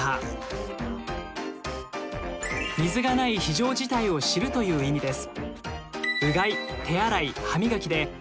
水がない非常事態を知るという意味です。